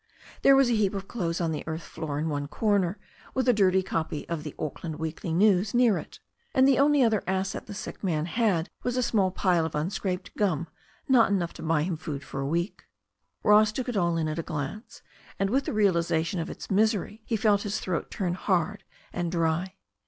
There was a heap of clothes on the earth floor in one corner, with a dirty copy of The Auckland Weekly News near it And the only other asset the sick man had was a small pile of unscraped gum, not enough to buy him food for a week. Ross took it all in at a glance, and with the realization of its misery he felt his throat turn hard and dry.